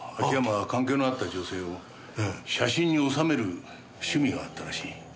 秋山は関係のあった女性を写真に収める趣味があったらしい。